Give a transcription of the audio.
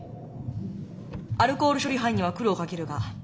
アルコール処理班には苦労をかけるがよろしく頼む。